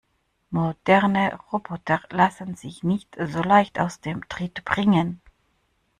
Moderne Roboter lassen sich nicht so leicht aus dem Tritt bringen.